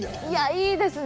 いいですね。